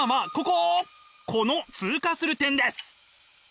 この通過する点です。